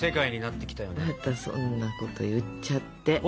またそんなこと言っちゃって。